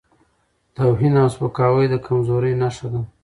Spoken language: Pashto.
توهین او سپکاوی د کمزورۍ نښه ده.